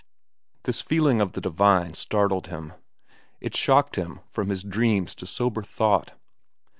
This feeling of the divine startled him. It shocked him from his dreams to sober thought.